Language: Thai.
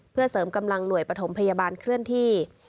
เพื่อเสริมกำลังหน่วยปฐมพยาบาลเคลื่อนที่